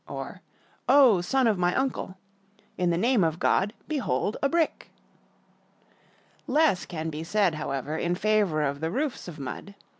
(or, ' Oh, son of my uncle!') in the name of God, behold a brick!" Less can be said, however, in favor of the roofs of mud.